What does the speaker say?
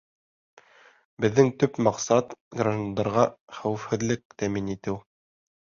Беҙҙең төп маҡсат — граждандарға хәүефһеҙлек тәьмин итеү.